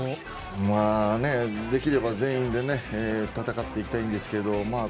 まあね、できれば全員で戦っていきたいんですけどまあ